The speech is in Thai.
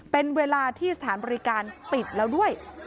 เป็นเวลาที่สถานบริการปิดแล้วด้วย